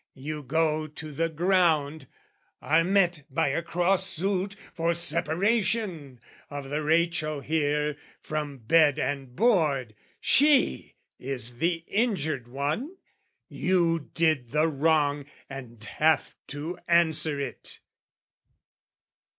"You go to the ground, are met by a cross suit "For separation, of the Rachel here, "From bed and board, she is the injured one, "You did the wrong and have to answer it.